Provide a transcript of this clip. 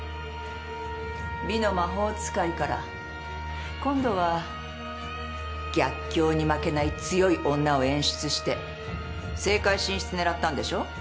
美の魔法使いから今度は逆境に負けない強い女を演出して政界進出狙ったんでしょ？